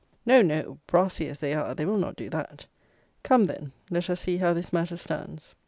No, no; brassy as they are, they will not do that. Come, then, let us see how this matter stands.